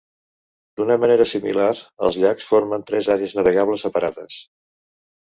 D'una manera similar, els llacs formen tres àrees navegables separades.